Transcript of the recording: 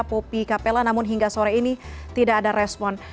popi kapela namun hingga sore ini tidak ada respon